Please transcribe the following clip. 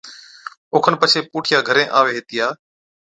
اوکن پڇي پُوٺِيا گھرين آوي ھِتيا۔